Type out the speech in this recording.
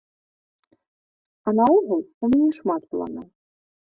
А наогул, у мяне шмат планаў.